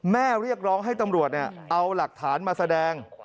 เรียกร้องให้ตำรวจเอาหลักฐานมาแสดง